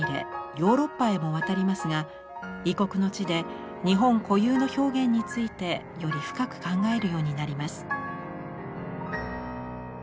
ヨーロッパへも渡りますが異国の地で日本固有の表現についてより深く考えるようになります。